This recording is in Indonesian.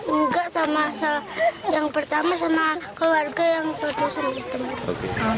enggak sama yang pertama sama keluarga yang tetap sama teman teman